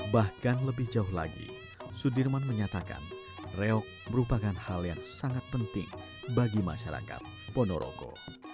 bahkan lebih jauh lagi sudirman menyatakan reok merupakan hal yang sangat penting bagi masyarakat ponorogo